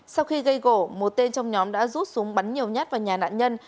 sau khi gây gỗ một tên trong nhóm đã rút súng bắn nhiều nhát vào nhà nạn nhân